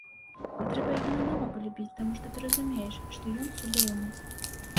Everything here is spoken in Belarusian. І трэба яго нанова палюбіць, таму што ты разумееш, што ён цудоўны.